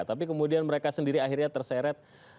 tapi kemudian mereka sendiri akhirnya terseret